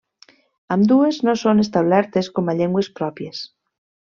Ambdues no són establertes com a llengües pròpies.